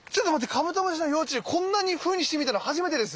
カブトムシの幼虫こんなふうにして見たの初めてです。